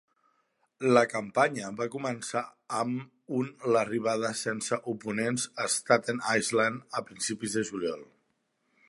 La campanya va començar amb un l'arribada sense oponents a Staten Island a principis de juliol.